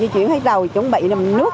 chuyển hết rầu chuẩn bị nước